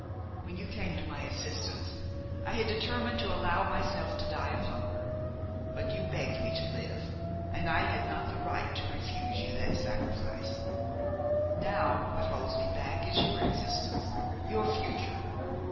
When you came to my assistance I had determined to allow myself to die of hunger; but you begged me to live, and I had not the right to refuse you that sacrifice. Now, what holds me back is your existence, your future.